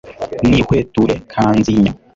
nihweture kanzinya